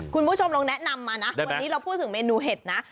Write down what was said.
คุณผู้ชมลองแนะนำมานะวันนี้เราพูดถึงเมนูเห็ดนะ